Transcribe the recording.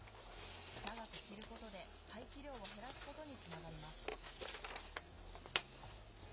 長く着ることで廃棄量を減らすことにつながります。